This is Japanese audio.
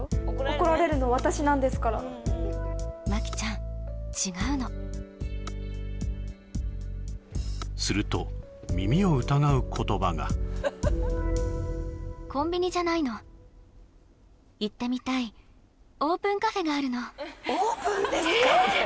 怒られるの私なんですから摩季ちゃん違うのすると耳を疑う言葉がコンビニじゃないの行ってみたいオープンカフェがあるのええ！？